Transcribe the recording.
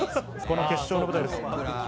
決勝の舞台です。